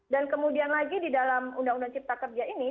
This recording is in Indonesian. dan kemudian lagi di dalam undang undang cipta kerja ini